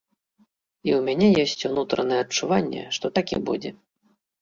І ў мяне ёсць унутранае адчуванне, што так і будзе.